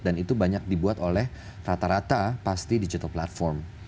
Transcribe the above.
dan itu banyak dibuat oleh rata rata pasti digital platform